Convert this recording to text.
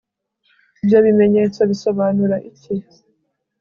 Ibyo bimenyetso bisobanura iki